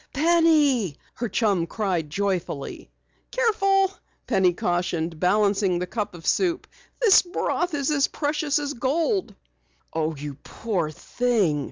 Penny!" her chum cried joyfully. "Careful," Penny cautioned, balancing the cup of soup. "This broth is as precious as gold." "Oh, you poor thing!"